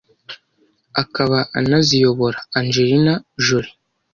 akaba anaziyobora Angelina Jolie